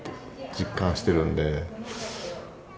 実感してるんで。